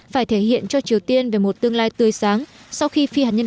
phải thể hiện cho triều tiên về một tương lai tương lai